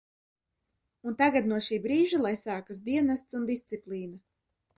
Un tagad no šī brīža, lai sākas dienests un disciplīna.